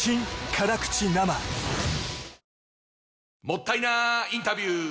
もったいなインタビュー！